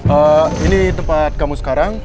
oh ini tempat kamu sekarang